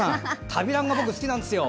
「旅ラン」が僕、好きなんですよ。